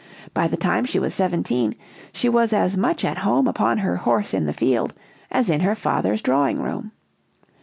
By the time she was seventeen, she was as much at home upon her horse in the field as in her father's drawing room.